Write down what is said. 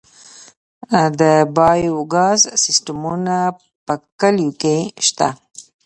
د بایو ګاز سیستمونه په کلیو کې شته؟